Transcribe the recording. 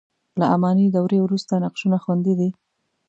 له اماني دورې وروسته نقشونه خوندي دي.